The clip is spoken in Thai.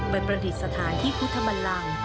ไปประติศถานที่พุทธบันลัง